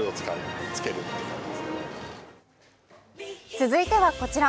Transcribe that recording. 続いてはこちら。